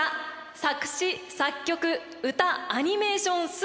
作詞作曲歌アニメーション全てを担当。